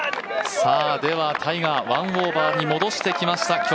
タイガー、１オーバーに戻してきました。